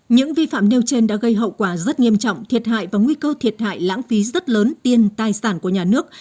những vi phạm nêu trên đã gây hậu quả rất nghiêm trọng thiệt hại và nguy cơ thiệt hại lãng phí rất lớn tiên tài sản của nhà nước